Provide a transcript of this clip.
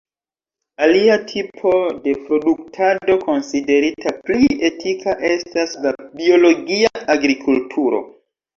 Alia tipo de produktado konsiderita pli etika estas la biologia agrikulturo.